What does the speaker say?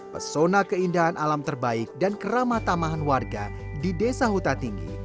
pesona keindahan alam terbaik dan keramatamahan warga di desa huta tinggi